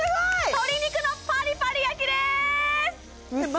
鶏肉のパリパリ焼きでーすウソ！？